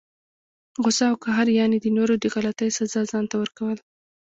غصه او قهر، یعني د نورو د غلطۍ سزا ځانته ورکول!